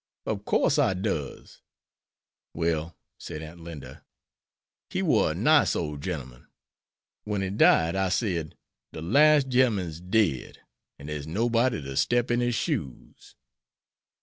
"Ob course I does!" "Well," said Aunt Linda, "he war a nice ole gemmen. Wen he died, I said de las' gemmen's dead, an' dere's noboddy ter step in his shoes."